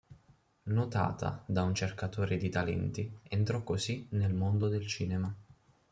Notata da un cercatore di talenti entrò così nel mondo del cinema.